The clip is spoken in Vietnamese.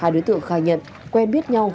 hai đối tượng khai nhận quen biết nhau